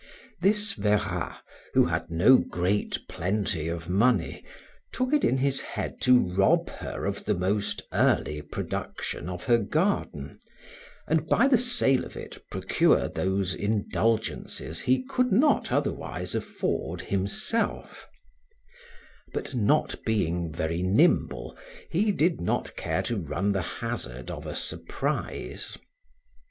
This Verrat, who had no great plenty of money, took it in his head to rob her of the most early production of her garden, and by the sale of it procure those indulgences he could not otherwise afford himself; but not being very nimble, he did not care to run the hazard of a surprise.